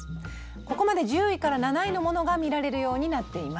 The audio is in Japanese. ここまで１０位から７位のものが見られるようになっています。